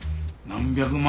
何百万！